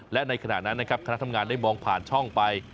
และในขณะนั้นนะครับคณะทำงานได้มองผ่านช่องไป